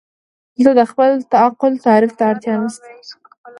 دلته د خپل تعقل تعریف ته اړتیا نشته.